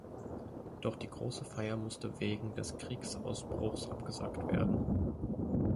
Doch die große Feier musste wegen des Kriegsausbruchs abgesagt werden.